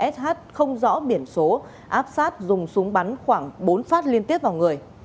sh không rõ biển số áp sát dùng súng bắn khoảng bốn phát liên tiếp vào người